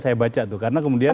saya baca tuh karena kemudian